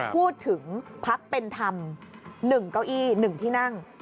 พูดถึงพักเป็นธรรม๑เก้าอี้๑ที่นั่ง